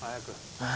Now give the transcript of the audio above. ああ。